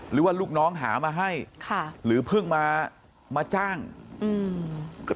ลูกน้องหามาให้ค่ะหรือเพิ่งมามาจ้างอืม